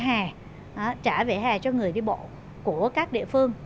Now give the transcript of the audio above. chúng ta cũng phải trả vẻ hà cho người đi bộ của các địa phương